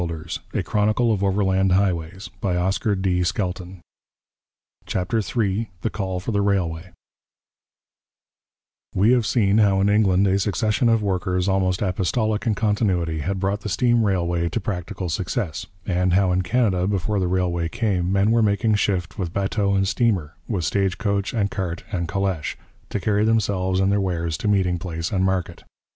143. CHAPTER III THE CALL FOR THE RAILWAY National Unity The Fight for Western Trade We have seen how in England a succession of workers almost apostolic in continuity had brought the steam railway to practical success, and how in Canada, before the railway came, men were making shift with bateau and steamer, with stage coach and cart and calèche, to carry themselves and their wares to meeting place and market.